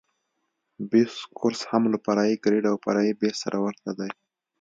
بیس کورس هم له فرعي ګریډ او فرعي بیس سره ورته دی